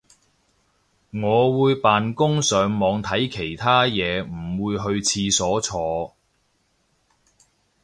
我會扮工上網睇其他嘢唔會去廁所坐